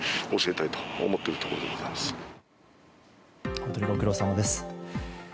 本当にご苦労さまです。